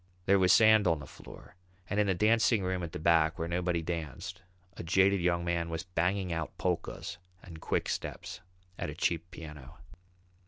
There was sand on the floor, and in the dancing room at the back, where nobody danced, a jaded young man was banging out polkas and quick steps at a cheap piano.